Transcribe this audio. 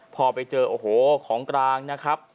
พอไปเจอโอ้โหของกลางนะครับ